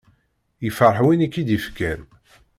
Yefreḥ win i k-id-yefkan.